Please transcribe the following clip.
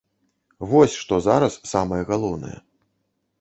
Вось што зараз самае галоўнае.